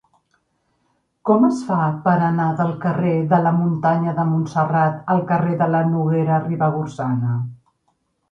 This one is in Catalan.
Com es fa per anar del carrer de la Muntanya de Montserrat al carrer de la Noguera Ribagorçana?